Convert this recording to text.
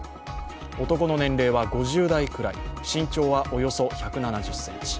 男の年齢は５０代くらい、身長はおよそ１７０ｃｍ。